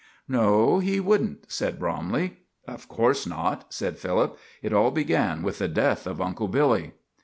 "No, he wouldn't," said Bromley. "Of course not," said Philip. "It all began with the death of Uncle Billy."